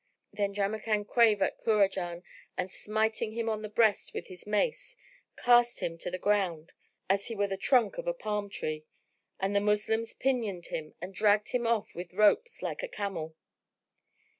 Then Jamrkan drave at Kurajan and smiting him on the breast with his mace,[FN#18] cast him to the ground, as he were the trunk of a palm tree; and the Moslems pinioned him and dragged him off with ropes like a camel.